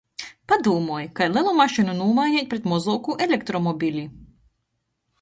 Padūmoj, kai lelu mašynu nūmaineit pret mozuoku elektromobili.